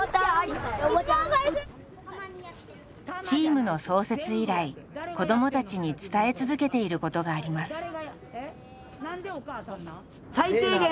チームの創設以来子どもたちに伝え続けていることがあります。